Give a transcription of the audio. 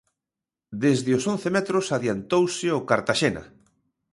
Desde os once metros adiantouse o Cartaxena.